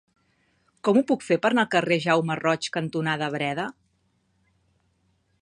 Com ho puc fer per anar al carrer Jaume Roig cantonada Breda?